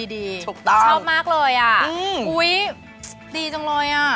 ดีชอบมากเลยอ่ะอุ้ยดีจังเลยอ่ะ